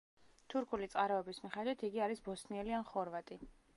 თურქული წყაროების მიხედვით იგი არის „ბოსნიელი ან ხორვატი“.